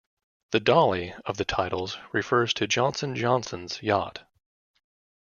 The Dolly of the titles refers to Johnson Johnson's yacht.